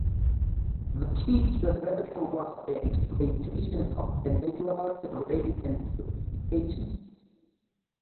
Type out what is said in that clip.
The key to the battle was the exploitation of the natural terrain and fortifications.